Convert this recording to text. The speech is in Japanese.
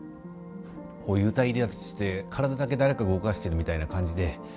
こう幽体離脱して体だけ誰かが動かしてるみたいな感じで。